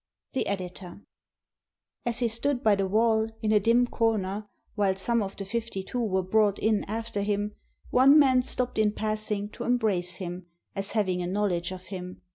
The Editor] As he stood by the wall in a dim corner, while some of the fifty two were brought in after him, one man stopped in passing to embrace him, as having a knowl edge of him.